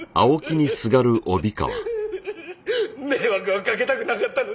迷惑はかけたくなかったのに！